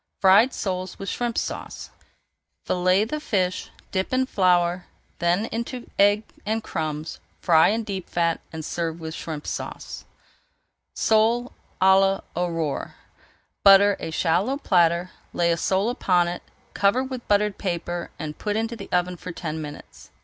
FRIED SOLES WITH SHRIMP SAUCE Fillet the fish, dip in flour, then into egg and crumbs, fry in deep fat, and serve with Shrimp Sauce. [Page 384] SOLE À L'AURORE Butter a shallow platter, lay a sole upon it, cover with buttered paper and put into the oven for ten minutes.